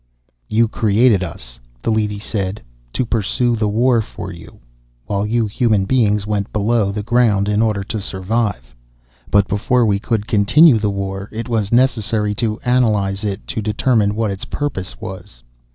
"You created us," the leady said, "to pursue the war for you, while you human beings went below the ground in order to survive. But before we could continue the war, it was necessary to analyze it to determine what its purpose was.